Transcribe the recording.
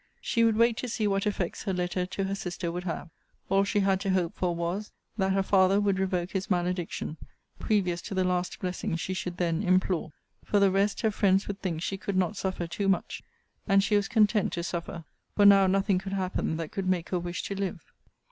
She would wait to see what effects her letter to her sister would have. All she had to hope for was, that her father would revoke his malediction, previous to the last blessing she should then implore. For the rest, her friends would think she could not suffer too much; and she was content to suffer: for now nothing could happen that could make her wish to live.